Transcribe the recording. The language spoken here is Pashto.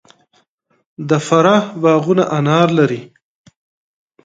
د فراه باغونه انار لري.